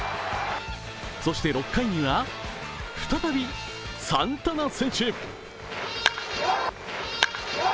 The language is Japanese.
そして６回には再びサンタナ選手。